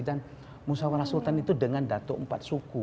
dan musyawarah sultan itu dengan datuk empat suku